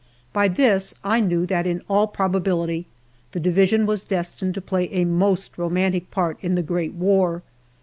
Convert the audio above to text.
By this I knew that in all probability the Division was destined to play a most romantic part in the Great War.